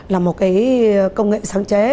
là một cái công nghệ sáng chế